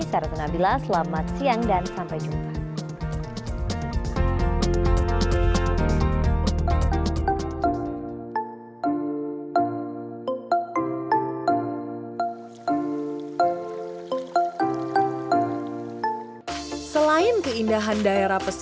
saya ratna bila selamat siang dan sampai jumpa